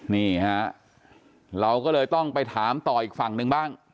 นี่ฮะเราก็เลยต้องไปถามต่ออีกฝั่งหนึ่งบ้าง